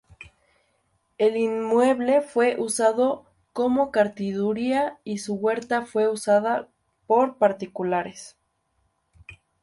El inmueble fue usado como curtiduría y su huerta fue usada por particulares.